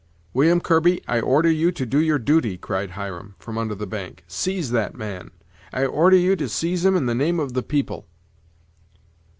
"William Kirby, I order you to do your duty," cried Hiram, from under the bank; "seize that man; I order you to seize him in the name of the people."